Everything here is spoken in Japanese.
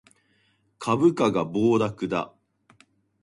株価が暴落だ